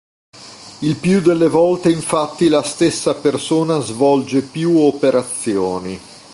Il più delle volte infatti la stessa persona svolge più operazioni.